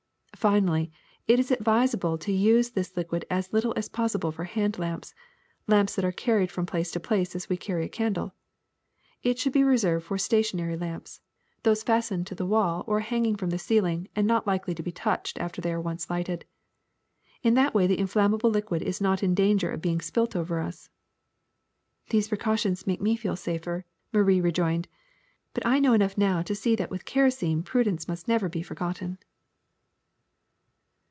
Finally, it is advisable to use this liquid as little as possible for hand lamps, lamps that are carried from place to place as we carry a candle; it should be reserved for stationary lamps, those fastened to the wall or hanging from the ceiling and not likely to be touched after they are once lighted. In that way the inflammable liquid is not in danger of being spilt over us." '^ These precautions make me feel safer," Marie rejoined; *'but I know enough now to see that Avith kerosene prudence must never be forgotten."